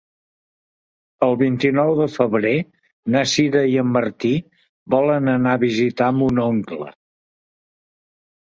El vint-i-nou de febrer na Sira i en Martí volen anar a visitar mon oncle.